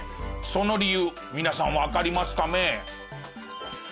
その理由皆さんわかりますカメ？